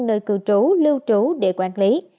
nơi cư trú lưu trú để quản lý